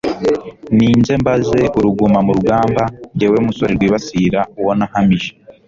ninze mbanze uruguma mu rugamba jyewe musore rwibasira uwo nahamije